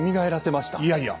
いやいや！